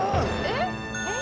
えっ！？